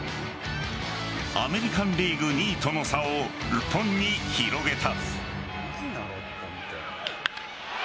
アメリカン・リーグ２位との差を６本に広げた。